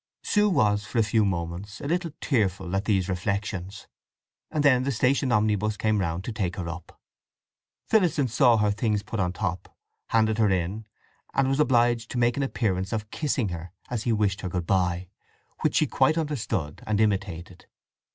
Sue was for a few moments a little tearful at these reflections, and then the station omnibus came round to take her up. Phillotson saw her things put on the top, handed her in, and was obliged to make an appearance of kissing her as he wished her good bye, which she quite understood and imitated.